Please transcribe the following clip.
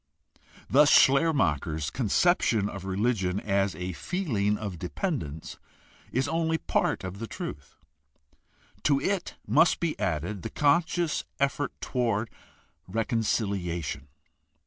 Thus Schleiermacher's conception of religion as a feeling of dependence is only part of the truth. To it must be added the conscious effort toward reconciliation.